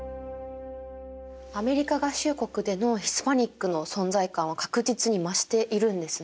アメリカ合衆国でのヒスパニックの存在感は確実に増しているんですね。